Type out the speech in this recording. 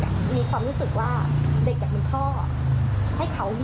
ระหว่างพ่อกับลูกทำกันมันไม่ใช่